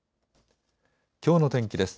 きょうの天気です。